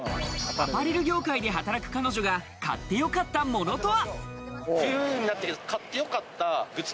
アパレル業界で働く彼女が買ってよかったものとは？